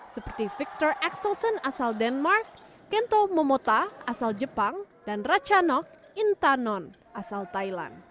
seperti victor axelsen asal denmark kento momota asal jepang dan rachanok intanon asal thailand